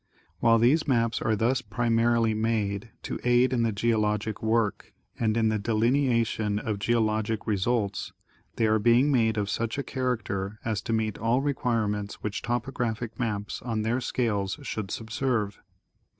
While these maps are thus primarily made to aid in the geologic work and in the delineation of geologic results, they are being made of such a character as to meet all requirements which topographic maps on their scales should subserve.